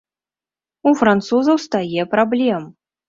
У французаў стае праблем.